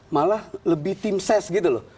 malah lebih tim ses gitu loh